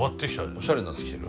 おしゃれになってきてる。